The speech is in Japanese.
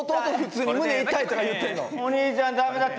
お兄ちゃん駄目だった。